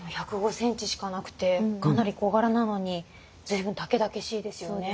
１０５センチしかなくてかなり小柄なのに随分たけだけしいですよね。